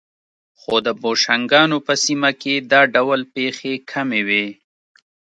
خو د بوشنګانو په سیمه کې دا ډول پېښې کمې وې.